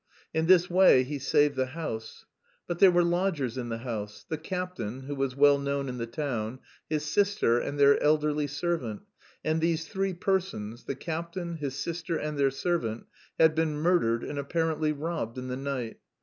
In this way he saved the house. But there were lodgers in the house the captain, who was well known in the town, his sister, and their elderly servant, and these three persons the captain, his sister, and their servant had been murdered and apparently robbed in the night.